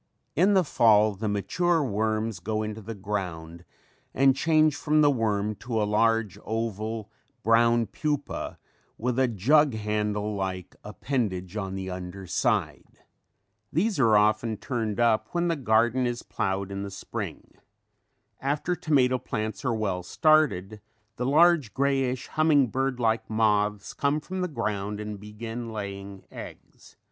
In the fall the mature worms go into the ground and change from the worm to a large, oval, brown pupa with a jug handle like appendage on the under side. These are often turned up when the garden is plowed in the spring. After tomato plants are well started the large greyish humming bird like moths comes from the ground and begin laying eggs.